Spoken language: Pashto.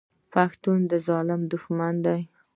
پښتون د ظالم دښمن دی.